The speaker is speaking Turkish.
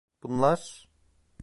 Bunlar...